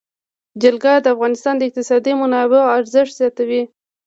جلګه د افغانستان د اقتصادي منابعو ارزښت زیاتوي.